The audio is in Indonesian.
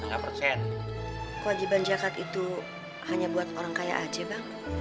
kewajiban jakat itu hanya buat orang kaya aja bang